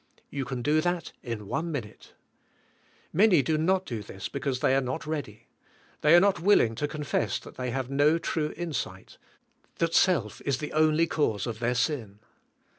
You can do that in one minute. Many do not do this because they are not ready. They are not willing to confess they have no true insight; that self is the only cause of their sin.